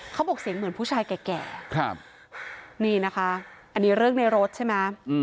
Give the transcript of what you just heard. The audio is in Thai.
เขาบอกเสียงเหมือนผู้ชายแก่นี่นะคะอันนี้เรื่องในรถใช่ไหม